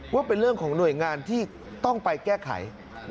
ว่าเป็นเรื่องของหน่วยงานที่ต้องไปแก้ไข